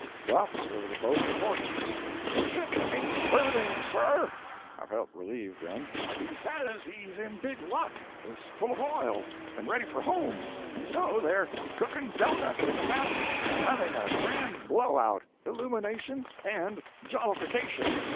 The officer of the boat reported: 'The ship ain't burning, sir; (I felt relieved then;) he says he's in big luck—is full of oil, and ready for home, and so they're cooking doughnuts in the fat and having a grand blow out, illumination and jollification.